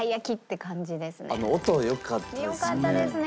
あの音よかったですね。